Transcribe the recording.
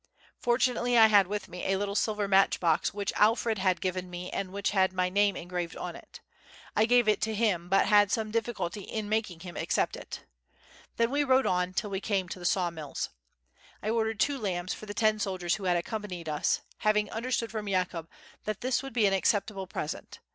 Fortunately I had with me a little silver match box which Alfred had given me and which had my name engraved on it. I gave it to him, but had some difficulty in making him accept it. Then we rode on till we came to the saw mills. I ordered two lambs for the ten soldiers who had accompanied us, having understood from Yakoub that this would be an acceptable present.